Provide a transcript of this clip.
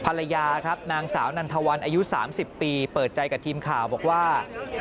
ภรรยาครับนางสาวนันทวันอายุ๓๐ปีเปิดใจกับทีมข่าวบอกว่า